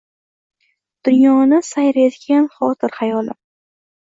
Dunyoni sayr etgan xotir-xayolim